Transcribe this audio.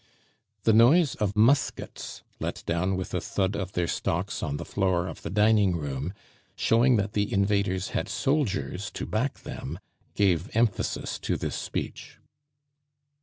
The noise of muskets, let down with a thud of their stocks on the floor of the dining room, showing that the invaders had soldiers to bake them, gave emphasis to this speech.